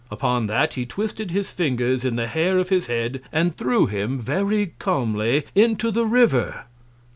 Upon that, he twisted his Fingers in the Hair of his Head, and threw him, very calmly, into the River.